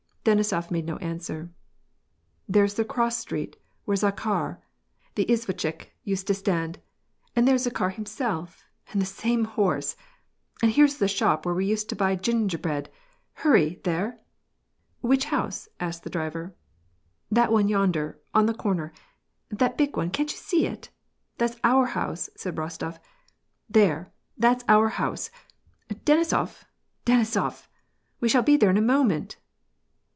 Denisof made no answer. •* "There is the cross street, where Zakhar, the izvoshc/iikj used to stand ; and there is Zakhar himself, and the same horse ! And here's the shop where we used to buy ginger hread ! Hurry, there !"" Which house ?" asked the driver. " That one yonder, on the corner, that big one, can't you see ? Thafs our house !" said Rostof. " There, that's our house !— Denisof ! Denisof ! We shall be there in a moment